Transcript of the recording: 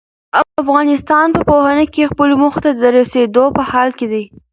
افغانستان په پوهنه کې خپلو موخو ته د رسېدو په حال کې دی.